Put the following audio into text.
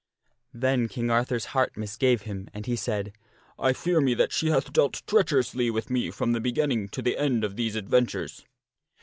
Then King Arthur's heart misgave him, and he said, I fear me that she hath dealt treacherously with me from the beginning to the end of these adventures."